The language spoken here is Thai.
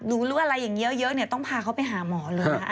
รู้อะไรอย่างเยอะต้องพาเขาไปหาหมอเลยนะ